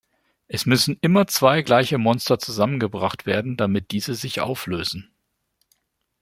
Es müssen immer zwei gleiche Monster zusammengebracht werden, damit diese sich auflösen.